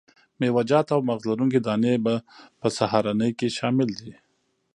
میوه جات او مغذ لرونکي دانې په سهارنۍ کې شامل دي.